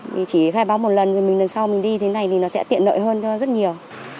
vì chỉ khai báo một lần rồi lần sau mình đi thế này thì nó sẽ tiện lợi hơn rất nhiều